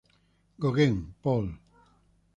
Gauguin, Paul.